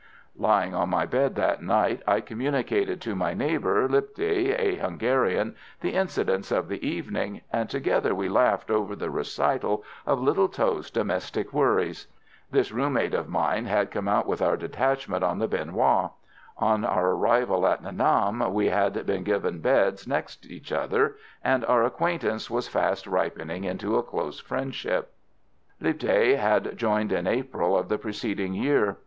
Lying on my bed that night I communicated to my neighbour, Lipthay, a Hungarian, the incidents of the evening, and together we laughed over the recital of little Tho's domestic worries. This room mate of mine had come out with our detachment on the Bien Hoa. On our arrival at Nha Nam we had been given beds next each other, and our acquaintance was fast ripening into a close friendship. Lipthay had joined in April of the preceding year.